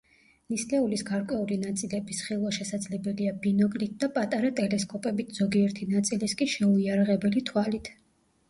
ნისლეულის გარკვეული ნაწილების ხილვა შესაძლებელია ბინოკლით და პატარა ტელესკოპებით, ზოგიერთი ნაწილის კი შეუიარაღებელი თვალით.